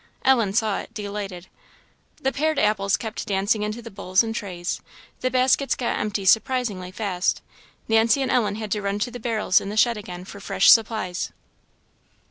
Ellen saw it, delighted. The pared apples kept dancing into the bowls and trays; the baskets got empty surprisingly fast; Nancy and Ellen had to run to the barrels in the shed again for fresh supplies.